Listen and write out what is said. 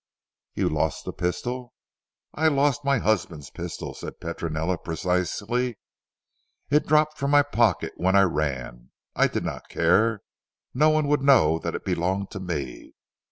"You lost the pistol?" "I lost my husband's pistol," said Petronella precisely, "it dropped from my pocket when I ran, I did not care. No one would know that it belonged to me.